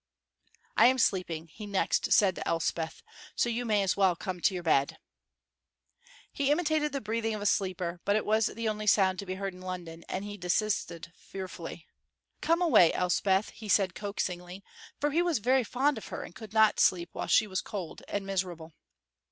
"I am sleeping," he next said to Elspeth, "so you may as well come to your bed." He imitated the breathing of a sleeper, but it was the only sound to be heard in London, and he desisted fearfully. "Come away, Elspeth," he said, coaxingly, for he was very fond of her and could not sleep while she was cold and miserable.